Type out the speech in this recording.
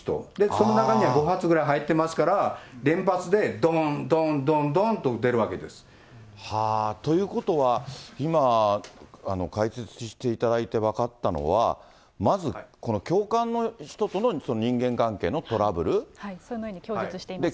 その中には５発ぐらい入ってますから、連発で、どーん、どーん、どーん、ということは、今解説していただいて分かったのは、まず、この教官の人との人間関係のトラブそのように供述してますね。